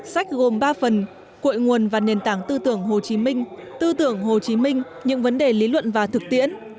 sách gồm ba phần cuội nguồn và nền tảng tư tưởng hồ chí minh tư tưởng hồ chí minh những vấn đề lý luận và thực tiễn